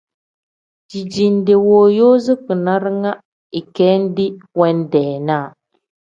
Dijinde wooyoozi kpina ringa ikendi wendeenaa.